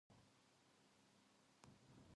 毎日仕事に行く